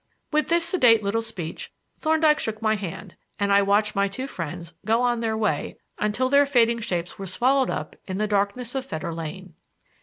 With this sedate little speech Thorndyke shook my hand, and I watched my two friends go on their way until their fading shapes were swallowed up in the darkness of Fetter Lane.